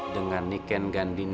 dengan iken ganti di putri